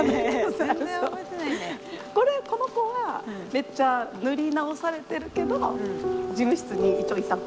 この子はめっちゃ塗り直されてるけど事務室に一応いた子。